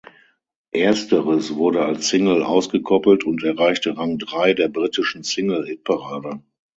Ersteres wurde als Single ausgekoppelt und erreichte Rang drei der britischen Single-Hitparade.